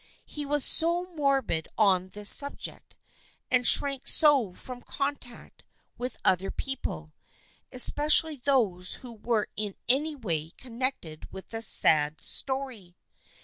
He was so morbid on this subject, and shrank so from contact with people, especially those who were in any way con nected with the sad story.